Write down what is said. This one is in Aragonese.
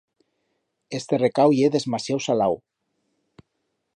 Este recau ye desmasiau salau.